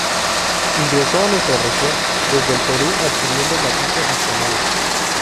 Ingresó a nuestra región desde el Perú, adquiriendo matices regionales.